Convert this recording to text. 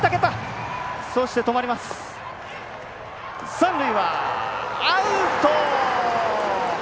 三塁はアウト！